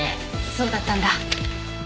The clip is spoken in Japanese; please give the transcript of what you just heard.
そうだったんだ。